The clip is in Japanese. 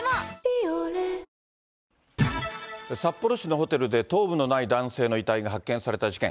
札幌市のホテルで、頭部のない男性の遺体が発見された事件。